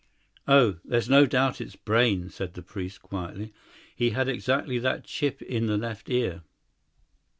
"Oh, there's no doubt it's Brayne," said the priest quietly. "He had exactly that chip in the left ear."